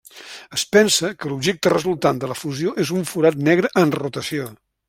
Es pensa que l'objecte resultant de la fusió és un forat negre en rotació.